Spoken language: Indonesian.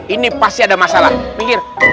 ini pasti ada masalah pikir